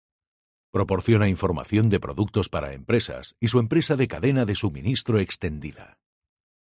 Proporciona información de productos para empresas y su empresa de cadena de suministro extendida.